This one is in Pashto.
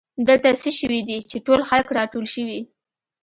دلته څه شوي دي چې ټول خلک راټول شوي